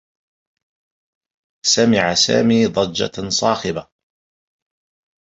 سمع سامي ضجّة صاخبة.